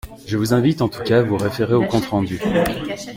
Je vous invite, en tout cas, à vous référer au compte rendu.